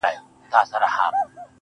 يوې نجلۍ ساعت کي څو رنگه رنگونه راوړل